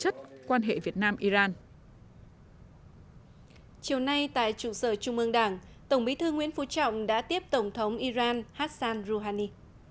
chiều nay tại trụ sở trung ương đảng tổng bí thư nguyễn phú trọng đã tiếp tổng thống iran hassan rouhani